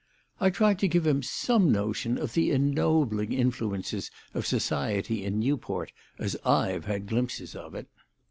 I tried to give him some notion of the ennobling influences of society in Newport, as I've had glimpses of it."